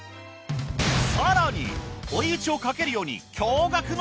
更に追い打ちをかけるように。